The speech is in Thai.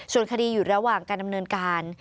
ส่วนคดีอยู่ระหว่างการดำเนินการ